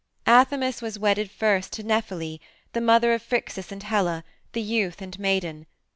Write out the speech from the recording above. "Athamas was wedded first to Nephele, the mother of Phrixus and Helle, the youth and maiden.